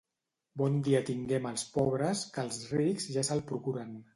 Bon dia tinguem els pobres que els rics ja se'l procuren.